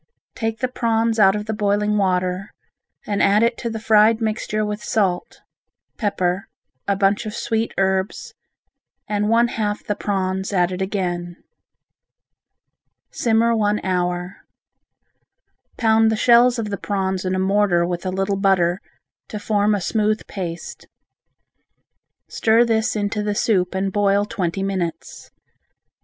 Take the prawns out of the boiling water and add to it the fried mixture with salt, pepper, a bunch of sweet herbs and one half the prawns added again. Simmer one hour. Pound the shells of the prawns in a mortar with a little butter, to form a smooth paste. Stir this into the soup and boil twenty minutes.